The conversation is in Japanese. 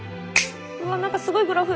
うわ何かすごいグラフ。